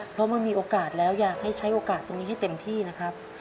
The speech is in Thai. เพราะมันมีโอกาสแล้วอยากให้ใช้โอกาสตรงนี้ให้เต็มที่นะครับ